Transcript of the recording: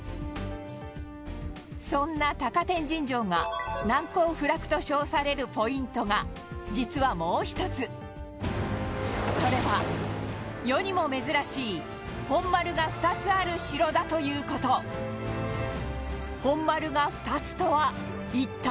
そんな高天神城が難攻不落と称されるポイントが実は、もう１つそれは、世にも珍しい本丸が２つある城だという事本丸が２つとは、一体？